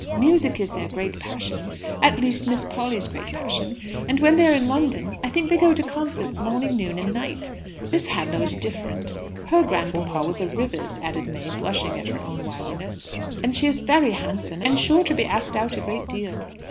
Music is their great passion at least, Miss Polly's great passion and when they are in London I think they go to concerts morning, noon, and night. Miss Hadlow is different. Her grandpapa was a Rivers," added May, blushing at her own wiliness, "and she is very handsome, and sure to be asked out a great deal."